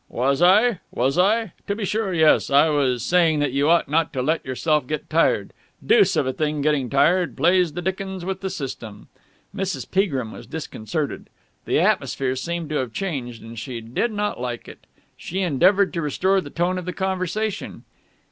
"Was I? Was I? To be sure, yes. I was saying that you ought not to let yourself get tired. Deuce of a thing, getting tired. Plays the dickens with the system." Mrs. Peagrim was disconcerted. The atmosphere seemed to have changed, and she did not like it. She endeavoured to restore the tone of the conversation.